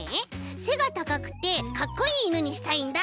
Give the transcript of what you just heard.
せがたかくてかっこいいいぬにしたいんだ。